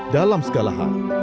dalam segala hal